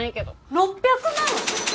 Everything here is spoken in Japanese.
６００万！？